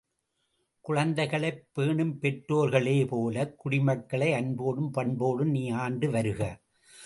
குழந்தையைப் பேணும் பெற்றோர்களே போலக் குடிமக்களை அன்போடும் பண்போடும் நீ ஆண்டு வருக.